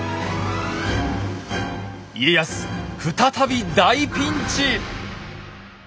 家康再び大ピンチ！